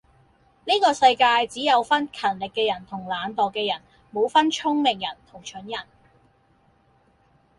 世界上只有分勤力嘅人同懶惰嘅人，冇分聰明人同蠢人